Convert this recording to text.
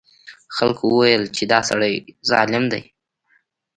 خلکو وویل چې دا سړی ظالم دی.